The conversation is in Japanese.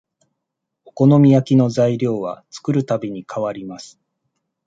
お好み焼きの材料は作るたびに変わります